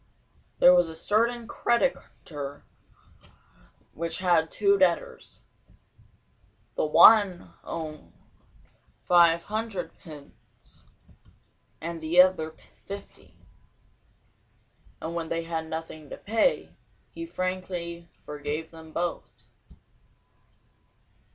There was a certain creditor which had two debtors: the one owed five hundred pence, and the other fifty. And when they had nothing to pay, he frankly forgave them both.